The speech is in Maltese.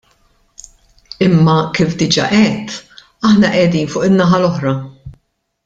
Imma kif diġà għedt aħna qegħdin fuq in-naħa l-oħra.